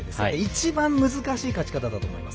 一番難しい勝ち方だと思います。